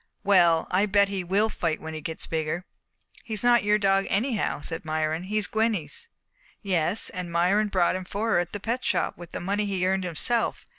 "Well, I bet he will fight when he gets bigger." "He's not your dog anyhow," said Myron. "He's Gwenny's." "Yes, and Myron bought him for her at the Pet Shop with money he earned himself.